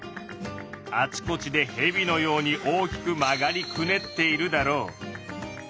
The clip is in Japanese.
あちこちでヘビのように大きく曲がりくねっているだろう。